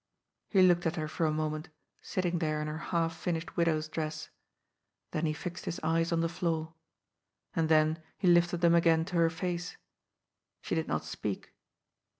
He looked at her for a moment, sitting there in her half finished widow's dress. Then he fixed his eyes on the fioor. And then he lifted them again to her face. She did not speak.